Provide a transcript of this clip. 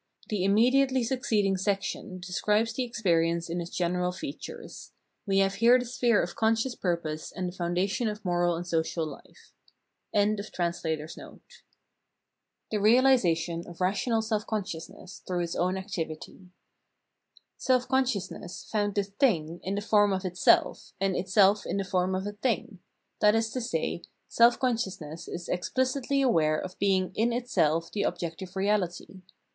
The immediately succeeding section describes the experience in its general features. We have here the sphere of conscious purpose and the foundation of moral and social life.] 338 The EEAiiisATioN of Rational Self conscious ness THROUGH ITS OWN ACTIVITY Self consciousness found the " thing " in the form of itself, and itself in the form of a thing ; that is to say, self consciousness is exphcitly aware of being in itself the objective realitj^.